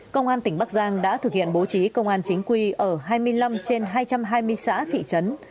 công an tỉnh bắc giang đã thực hiện bố trí công an chính quy ở hai mươi năm trên hai trăm hai mươi xã thị trấn